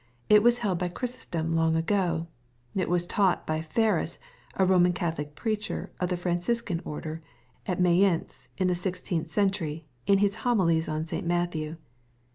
It was held by Ghry sostom long ago. It was taught by FeruSy a famous Roman Catholic preacher, of the Franciscan order, ftt Mayence, in the sixteenth century, in his Homilies on St. Matthew.